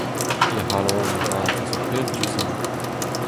He c’halon avat a zo pell diouzhin.